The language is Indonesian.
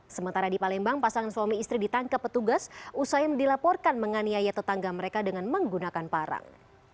sementara di palembang pasangan suami istri ditangkap petugas usai dilaporkan menganiaya tetangga mereka dengan menggunakan parang